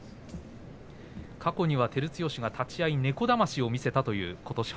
過去には照強が立ち合い猫だましを見せたということし